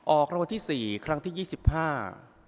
ออกรางวัลที่สี่ครั้งที่ยี่สิบห้า